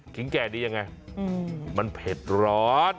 แก่ดียังไงมันเผ็ดร้อน